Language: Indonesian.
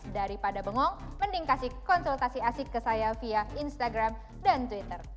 daripada bengong mending kasih konsultasi asik ke saya via instagram dan twitter